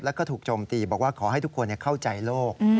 แล้วก็ถูกโจมตีบอกว่าขอให้ทุกคนเข้าใจโลก